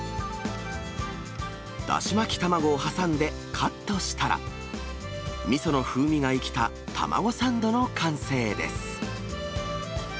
だし巻き卵を挟んでカットしたら、みその風味が生きた卵サンドの完成です。